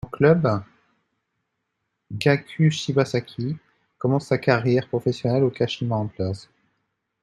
En club, Gaku Shibasaki commence sa carrière professionnelle au Kashima Antlers.